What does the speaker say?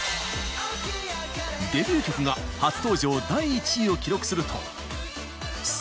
デビュー曲が初登場第１位を記録するとその後も。